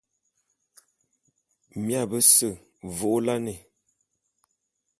Mia bese vô'ôla'an.